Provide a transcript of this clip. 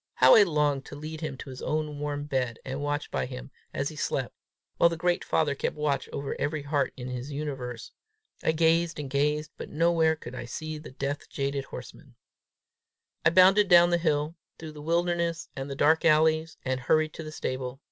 How I longed to lead him to his own warm bed, and watch by him as he slept, while the great father kept watch over every heart in his universe. I gazed and gazed, but nowhere could I see the death jaded horseman. I bounded down the hill, through the wilderness and the dark alleys, and hurried to the stable.